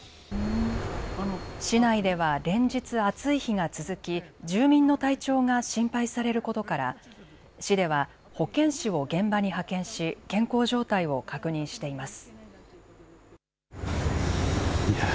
市内では連日、暑い日が続き住民の体調が心配されることから市では保健師を現場に派遣し健康状態を確認しています。